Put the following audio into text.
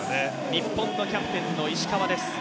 日本のキャプテン石川です。